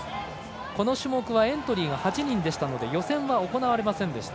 この種目はエントリーが８人でしたので予選は行われませんでした。